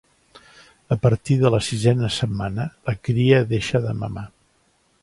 A partir de la sisena setmana, la cria deixa de mamar.